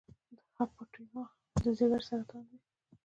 د هیپاټوما د ځګر سرطان دی.